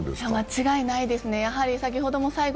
間違いないですね。